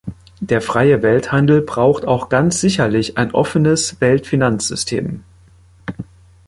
Der freie Welthandel braucht auch ganz sicherlich ein offenes Weltfinanzsystem.